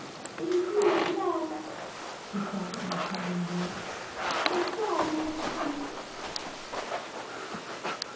"It is you at last!" she said in a trembling voice——"Thank God you have come!"